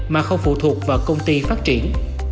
mà không phụ thuộc vào công ty phát triển